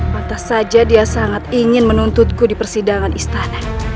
pantas saja dia sangat ingin menuntutku di persidangan istana